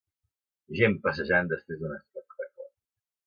Gent passejant després d'un espectacle